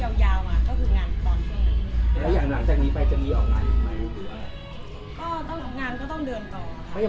ตอนช่วงที่ออกมาแรกก็คือมีงานเข้ามา